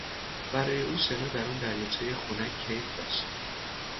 برای او شنا در آن دریاچهی خنک کیف داشت.